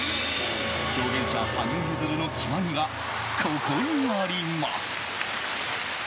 表現者・羽生結弦の極みがここにあります。